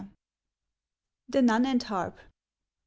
THE NUN AND HARP.